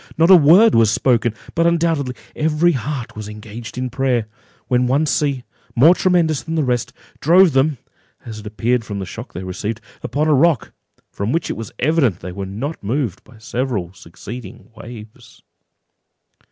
Not a word was spoken; but undoubtedly every heart was engaged in prayer, when one sea, more tremendous than the rest, drove them (as it appeared from the shock they received) upon a rock, from which it was evident they were not moved by several succeeding waves.